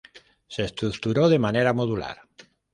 Se estructura de manera "modular".